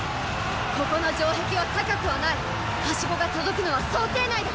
ここの城壁は高くはない梯子が届くのは想定内だ！